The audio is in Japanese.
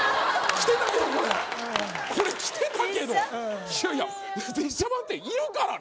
着てたけどこれこれ着てたけどいやいや実写版っているからね